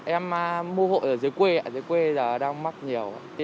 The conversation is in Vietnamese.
em mua thuốc ở dưới quê ạ dưới quê đang mắc nhiều ạ